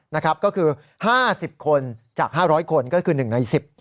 นะครับก็คือ๕๐คนจาก๕๐๐คนก็คือ๑ใน๑๐